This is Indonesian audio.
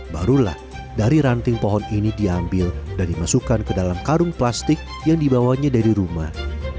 barulah dari ranting pohon ini diambil dan dimasukkan ke dalam karung plastik yang dibawanya dari rumah